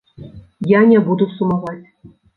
Я не буду сумаваць.